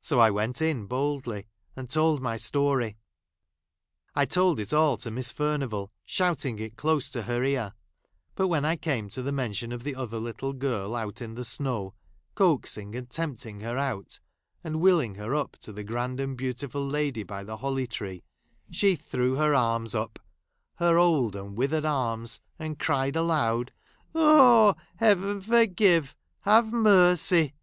So I went in boldly, and told my I story. I told it all to Miss Furnivall, shout¬ ing it close to her ear ; but when I came to the mention of the other little girl out in the snow, coaxing and tempting her out, and wiling her up to the grand and beautiful lady by the Holly tree, she threw her arms up — her old and withered arms — and cried aloud, " Oh ! Heaven, forgive ! Have mercy